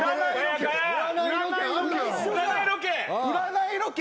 占いロケ。